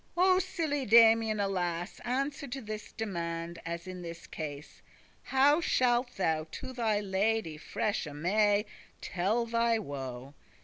"O silly Damian, alas! Answer to this demand, as in this case, How shalt thou to thy lady, freshe May, Telle thy woe?